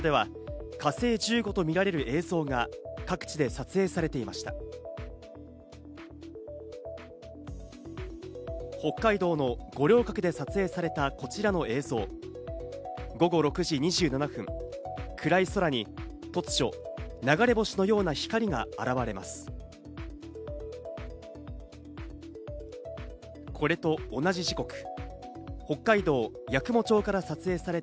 落下地点に近い場所では「火星１５」と見られる映像が各地で撮影されていました。